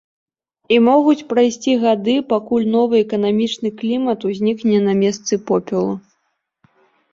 І могуць прайсці гады, пакуль новы эканамічны клімат узнікне на месцы попелу.